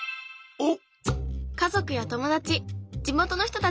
おっ！